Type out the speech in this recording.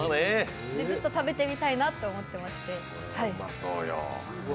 ずっと食べてみたいなと思ってまして。